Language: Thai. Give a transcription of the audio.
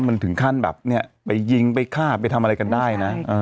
มันถึงขั้นแบบเนี่ยไปยิงไปฆ่าไปทำอะไรกันได้นะ